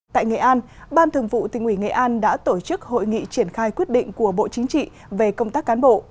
tại nghệ an ban thường vụ tỉnh ủy nghệ an đã tổ chức hội nghị triển khai quyết định của bộ chính trị về công tác cán bộ